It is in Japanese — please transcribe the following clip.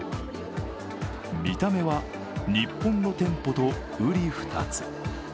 見た目は日本の店舗とうり二つ。